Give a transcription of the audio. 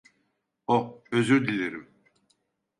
Oh, özür dilerim.